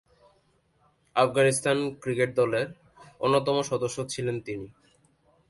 Afghanistan cricket দলের অন্যতম সদস্য ছিলেন তিনি।